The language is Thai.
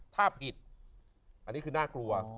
ถ้าผิดอันนี้คือน่ากลัว